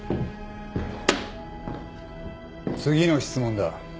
次の質問だ。